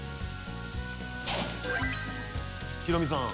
ヒロミさん。